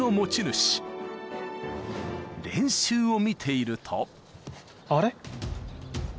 ［練習を見ていると］